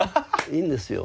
いいんですよ。